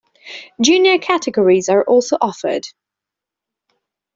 Junior categories are also offered.